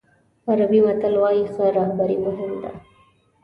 عربي متل وایي ښه رهبري مهم ده.